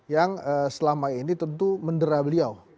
yang selama ini tentu mendera beliau